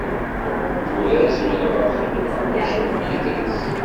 Tura zemreɣ ad xedmeɣ kullec ɣef yidra-s.